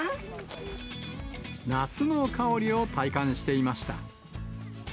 夏の香りを体感していました。